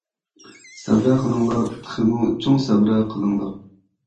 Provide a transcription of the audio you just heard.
سەبرە قىلىڭلار تېخىمۇ چوڭ سەبرە قىلىڭلار.